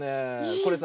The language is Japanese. これさ